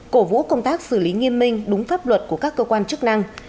cổ vũ công tác xử lý nghiêm minh đúng pháp luật của các cơ quan chức năng